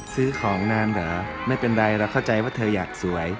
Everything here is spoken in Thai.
ซื้อของนานเหรอไม่เป็นไรเราเข้าใจว่าเธออยากสวย